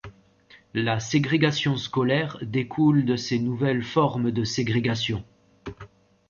La ségrégation scolaire découle de ces nouvelles formes de ségrégations.